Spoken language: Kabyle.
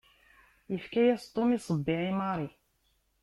Yefka-yas Tom aṣebbiɛ i Mary.